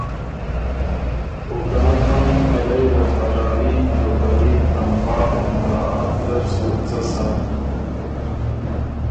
او که نکه منِن ته رئ وفاداري، نوکري، تنخواه او مراعات زر سُو څۀ سَۀ۔